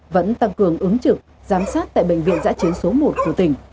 vẫn tăng cường ứng trực giám sát tại bệnh viện giã chiến số một của tỉnh